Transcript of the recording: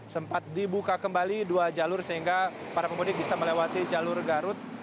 sempat dibuka kembali dua jalur sehingga para pemudik bisa melewati jalur garut